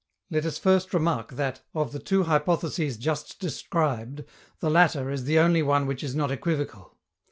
Let us first remark that, of the two hypotheses just described, the latter is the only one which is not equivocal.